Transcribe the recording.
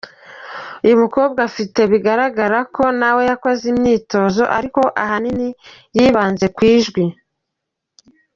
Uyu mukobwa afite bigaragara ko na we yakoze imyitozo ariko ahanini yibanze ku ijwi.